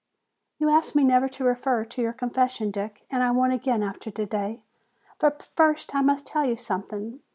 "You asked me never to refer to your confession, Dick, and I won't again after today. But first I must tell you something.